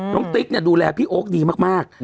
น้องติ๊กดูแลพี่โอ๊คดีมาก